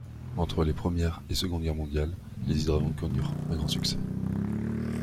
Entre les Première et Seconde Guerres mondiales, les hydravions connurent un grand succès.